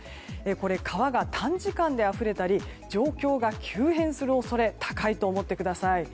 これ、川が短時間であふれたり状況が急変する恐れ高いと思ってください。